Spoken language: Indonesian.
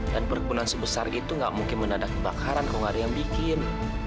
dan perkebunan sebesar itu nggak mungkin menadaki kebakaran kalau nggak ada yang bikin